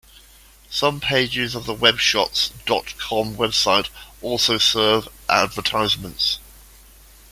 Some pages of the webshots dot com website also serve advertisements.